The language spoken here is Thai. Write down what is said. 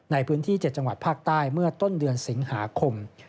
ในพื้นที่๗จังหวัดภาคใต้เมื่อต้นเดือนสิงหาคม